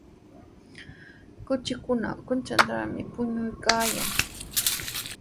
Kuchikunaqa kanchantrawmi puñuykaayan.